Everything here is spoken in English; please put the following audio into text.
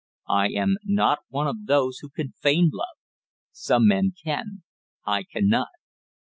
I am not one of those who can feign love. Some men can; I cannot.